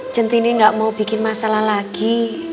centini nggak mau bikin masalah lagi